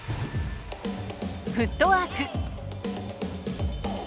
フットワーク。